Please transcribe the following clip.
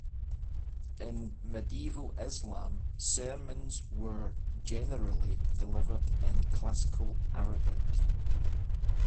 In medieval Islam, sermons were generally delivered in classical Arabic.